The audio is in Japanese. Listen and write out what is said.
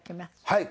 はい。